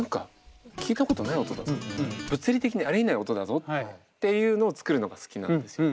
何か物理的にありえない音だぞっていうのを作るのが好きなんですよ。